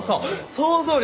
想像力。